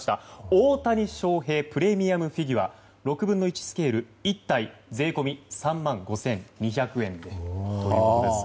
大谷翔平プレミアムフィギュア６分の１スケール、１体税込み３万５２００円ということです。